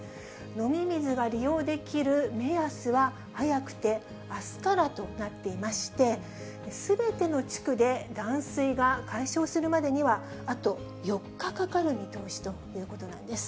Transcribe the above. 飲み水が利用できる目安は、早くてあすからとなっていまして、すべての地区で断水が解消するまでには、あと４日かかる見通しということなんです。